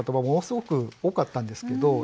ものすごく多かったんですけど